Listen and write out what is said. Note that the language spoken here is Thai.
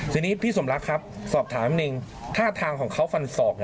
ทีนี้พี่สมรักครับสอบถามนิดนึงท่าทางของเขาฟันศอก